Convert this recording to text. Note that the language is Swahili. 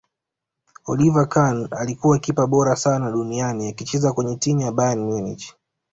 oliver khan alikuwa kipa bora sana duniani akicheza kwenye timu ya bayern munich